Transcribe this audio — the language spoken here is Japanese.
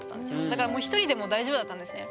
だからもう１人でも大丈夫だったんですね。